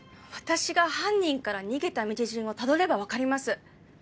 私が犯人から逃げた道順をたどれば分かります。